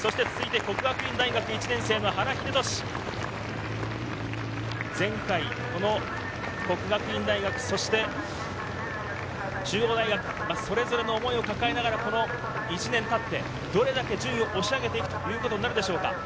続いて國學院大學の原秀寿、前回、國學院大學、中央大学、それぞれの思いを抱えながら、１年経ってどれだけ順位を押し上げていくということになるでしょうか。